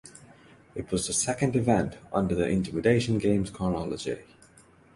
It was the second event under the Intimidation Games chronology.